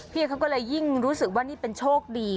พี่เขาก็เลยยิ่งรู้สึกว่านี่เป็นโชคดี